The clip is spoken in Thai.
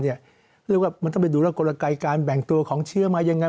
เรียกว่ามันต้องไปดูว่ากลไกการแบ่งตัวของเชื้อมายังไง